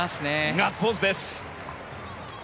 ガッツポーズです。